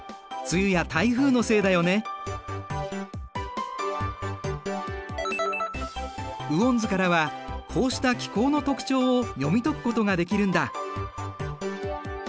雨温図からはこうした気候の特徴を読み解くことができるんだ。